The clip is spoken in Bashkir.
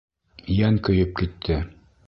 Йән көйөп китте.